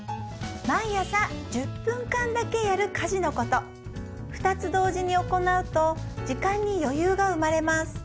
毎朝１０分間だけやる家事のこと２つ同時に行うと時間に余裕が生まれます